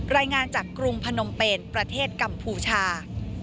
รายงานจากกรุงพนมเป็นประเทศกัมพูชา